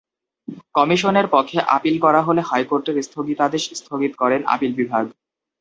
কমিশনের পক্ষে আপিল করা হলে হাইকোর্টের স্থগিতাদেশ স্থগিত করেন আপিল বিভাগ।